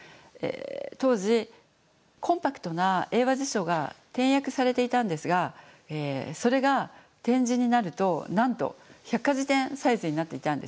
当時コンパクトな英和辞書が点訳されていたんですがそれが点字になるとなんと百科事典サイズになっていたんですね。